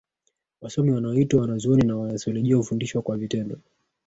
wasomi wanaoitwa wanazuoni na wanateolojia hufundisha kwa